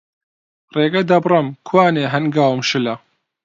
ڕێگە دەبڕم، کوانێ هەنگاوم شلە